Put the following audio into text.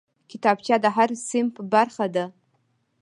کتابچه د هر صنف برخه ده